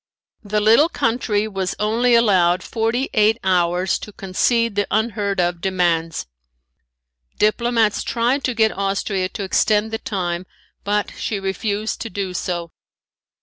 The little country was only allowed forty eight hours to concede the unheardof demands. Diplomats tried to get Austria to extend the time, but she refused to do so.